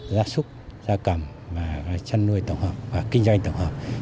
giá xúc giá cầm chăn nuôi tổng hợp và kinh doanh tổng hợp